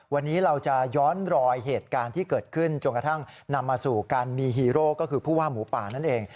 วันนี้เราจะย้อนรอยเหตุการณ์ที่เกิดขึ้นจนกระทั่งนำมาสู่การมีฮีโร่ก็คือผู้ว่าหมูป่านั่นเอง